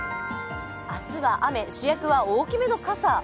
明日は雨、主役は大きめの傘。